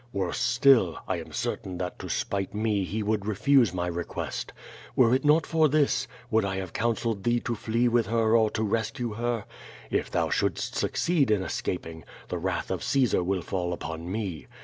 Worse still, I am certain that to spite me he would refuse my request. Were it not for this, would I have counselled thee to flee with her or to rescue her? If thou shouldst succeed in escaping, the wrath of Caesar will fall upon me.